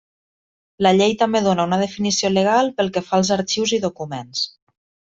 La Llei també dóna una definició legal pel que fa als arxius i documents.